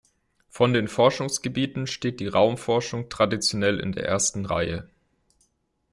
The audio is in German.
Von den Forschungsgebieten steht die Raumforschung traditionell in der ersten Reihe.